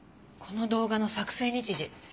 この動画の作成日時